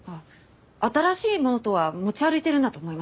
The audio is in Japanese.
新しいノートは持ち歩いてるんだと思います。